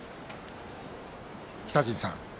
北陣さん